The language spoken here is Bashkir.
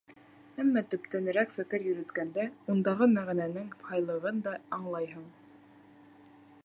Әммә төптәнерәк фекер йөрөткәндә, ундағы мәғәнәнең һайлығын да аңлайһың.